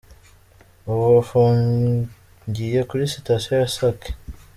Ubu bafungiye kuri sitasiyo ya Sake.